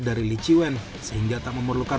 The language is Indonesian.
dari li qiwen sehingga tak memerlukan